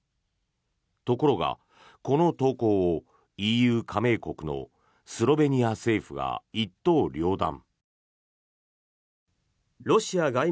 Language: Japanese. ところが、この投稿をＥＵ加盟国のスロベニア政府が一刀両断。